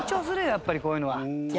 やっぱりこういうのは。